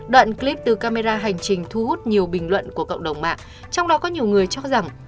đoạn clip từ camera hành trình thu hút nhiều bình luận của cộng đồng mạng trong đó có nhiều người cho rằng